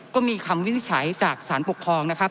ก็มีคำวินิจฉัยจากสารปกครองนะครับ